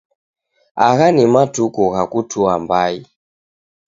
Agha ni matuku gha kutua mbai.